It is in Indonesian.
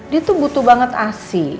dia tuh butuh banget asi